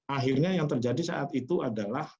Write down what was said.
akhirnya yang terjadi saat itu adalah